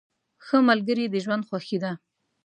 ښه ملګري د ژوند خوښي ده.